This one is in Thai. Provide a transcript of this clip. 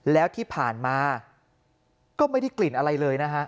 แล้วที่ผ่านมาก็ไม่ได้กลิ่นอะไรเลยนะฮะ